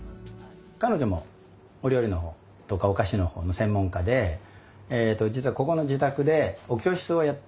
彼女もお料理の方とかお菓子の方の専門家で実はここの自宅でお教室をやってます。